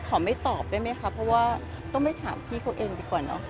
ขอไม่ตอบได้ไหมคะเพราะว่าต้องไปถามพี่เขาเองดีกว่าเนอะ